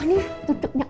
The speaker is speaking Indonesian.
oh ini tutupnya